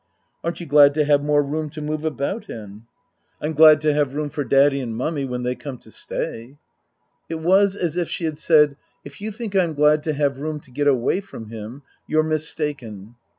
" Aren't you glad to have more room to move about in?" 10* 148 Tasker Jevons " I'm glad to have room for Daddy and Mummy when they come to stay." It was as if she had said, " If you think I'm glad to have room to get away from him you're mistaken."